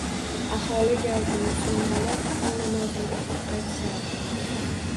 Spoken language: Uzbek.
Aholi gavjum, musulmonlar xufton namozini o‘qib qaytishardi.